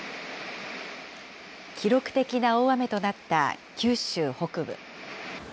記録的な大雨となった九州北部。